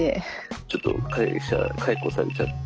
ちょっと会社解雇されちゃって。